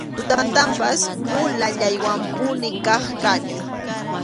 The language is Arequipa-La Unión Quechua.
Tutamantanpas mulallaywanpuni kaq kani.